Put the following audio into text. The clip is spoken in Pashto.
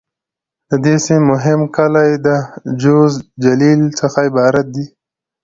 د دې سیمې مهم کلي د: جوز، جلیل..څخه عبارت دي.